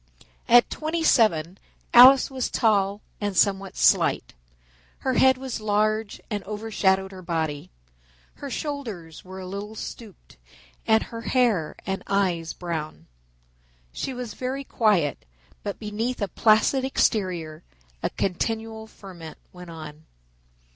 At twenty seven Alice was tall and somewhat slight. Her head was large and overshadowed her body. Her shoulders were a little stooped and her hair and eyes brown. She was very quiet but beneath a placid exterior a continual ferment went on.